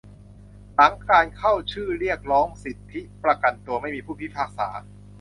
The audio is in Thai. หลังการเข้าชื่อเรียกร้องสิทธิประกันตัว ไม่มีผู้พิพากษา